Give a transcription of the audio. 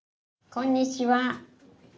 「こんにちは。